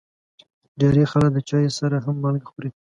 ډېری خلک د چای سره هم مالګه خوري.